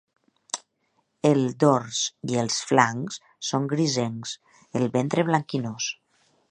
El dors i els flancs són grisencs; el ventre, blanquinós.